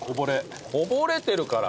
こぼれてるから。